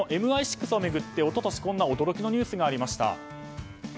ＭＩ６を巡って一昨年こんな驚きのニュースがありました。